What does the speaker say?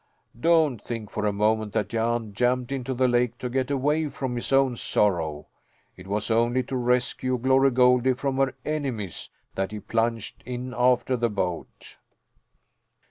Don't think for a moment that Jan jumped into the lake to get away from his own sorrow; it was only to rescue Glory Goldie from her enemies that he plunged in after the boat."